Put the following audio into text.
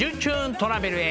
トラベル」へ。